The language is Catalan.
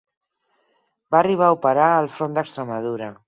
Va arribar a operar al front d'Extremadura.